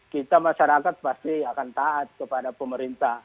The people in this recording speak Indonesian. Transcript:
kita masyarakat pasti akan taat kepada pemerintah